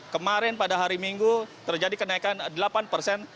kemarin pada hari minggu terjadi kenaikan delapan persen